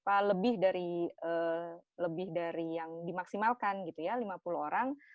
apa lebih dari lebih dari yang dimaksimalkan gitu ya lima puluh orang